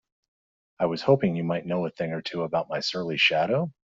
I was hoping you might know a thing or two about my surly shadow?